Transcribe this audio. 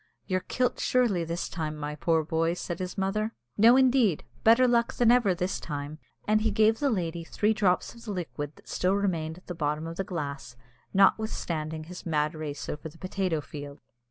"You're kilt surely this time, my poor boy," said his mother. "No, indeed, better luck than ever this time!" and he gave the lady three drops of the liquid that still remained at the bottom of the glass, notwithstanding his mad race over the potato field.